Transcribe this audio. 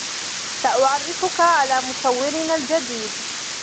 سأعرّفك على مصوّرنا الجدبد.